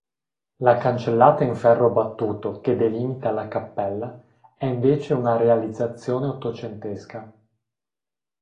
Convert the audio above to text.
La cancellata in ferro battuto che delimita la cappella è invece una realizzazione ottocentesca.